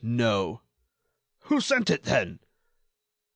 "No." "Who sent it, then?"